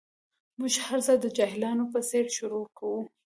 موږ هر څه د جاهلانو په څېر شروع کوو.